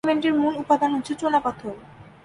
সিমেন্টের মূল উপাদান হচ্ছে চুনাপাথর।